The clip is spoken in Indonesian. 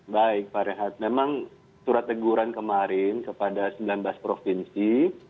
baik pak rehat memang surat teguran kemarin kepada sembilan belas provinsi